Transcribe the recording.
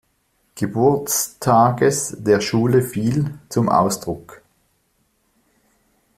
Geburtstages der Schule fiel, zum Ausdruck.